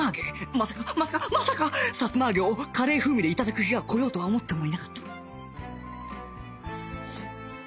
まさかまさかまさかさつま揚げをカレー風味で頂く日が来ようとは思ってもいなかった